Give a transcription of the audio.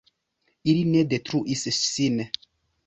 Ili ne detruis sin.